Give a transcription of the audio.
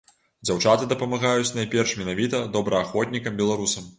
Дзяўчаты дапамагаюць найперш менавіта добраахвотнікам-беларусам.